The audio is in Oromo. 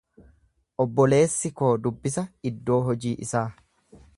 Obboleessi koo dubbisa iddoo hojii isaa.